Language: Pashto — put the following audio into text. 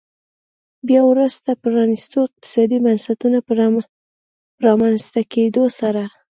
بیا وروسته پرانیستو اقتصادي بنسټونو په رامنځته کېدو سره.